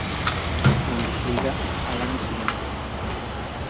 Bundesliga al año siguiente.